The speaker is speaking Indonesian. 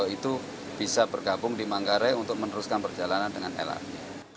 itu bisa bergabung di manggarai untuk meneruskan perjalanan dengan lrt